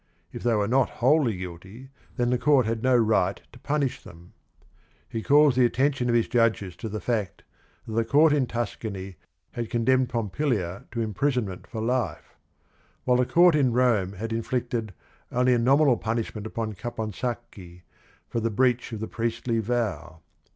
If they were not wholly guilty then the court had no right to punish them. He calls the attention of his judges to the fact that the court in Tuscany had condemned Pompilia to imprisonment for life — while the court in Rome had inflicted only a nominal punishment upon Caponsacchi for the " breach of the priestly vow."